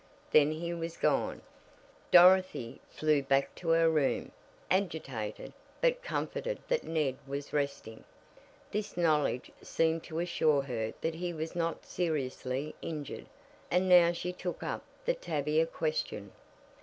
Then he was gone. Dorothy flew back to her room, agitated, but comforted that Ned was resting. This knowledge seemed to assure her that he was not seriously injured, and now she took up the Tavia question.